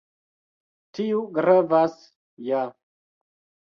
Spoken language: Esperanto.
Tiu gravas ja